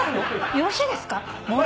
よろしいですか？